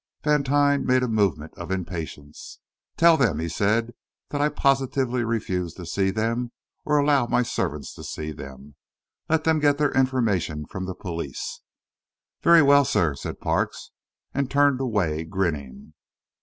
Vantine made a movement of impatience. "Tell them," he said, "that I positively refuse to see them or to allow my servants to see them. Let them get their information from the police." "Very well, sir," said Parks, and turned away grinning.